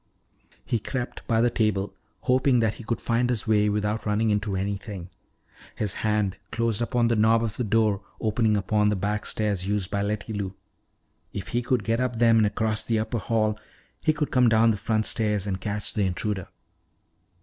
He crept by the table, hoping that he could find his way without running into anything. His hand closed upon the knob of the door opening upon the back stairs used by Letty Lou. If he could get up them and across the upper hall, he could come down the front stairs and catch the intruder.